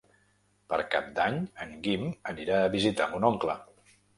Per Cap d'Any en Guim anirà a visitar mon oncle.